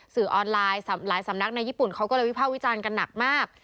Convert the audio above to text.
สื่อออนไลน์หลายสำนักในญี่ปุ่นเขาก็เลยวิภาควิจารณ์กันหนักมาก